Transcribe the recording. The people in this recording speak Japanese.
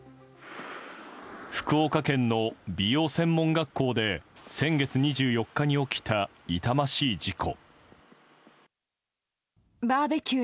福岡県の美容専門学校で先月２４日に起きた痛ましい事故。